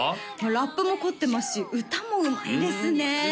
ラップも凝ってますし歌もうまいですね